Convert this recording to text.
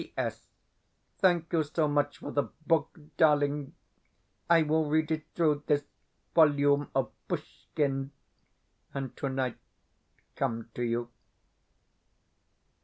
P.S Thank you so much for the book, darling! I will read it through, this volume of Pushkin, and tonight come to you.